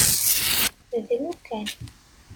Dlu kan.